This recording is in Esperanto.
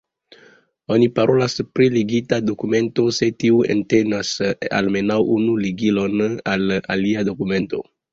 Oni parolas pri ligita dokumento, se tiu entenas almenaŭ unu ligilon al alia dokumento.